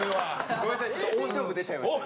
ごめんなさいちょっと大勝負出ちゃいました今。